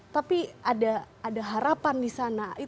tapi ada harapan di sana